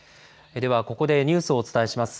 では、ここでニュースをお伝えします。